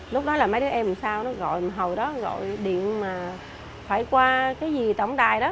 lúc đó là mấy đứa em làm sao nó gọi hồi đó gọi điện mà phải qua cái gì tổng đài đó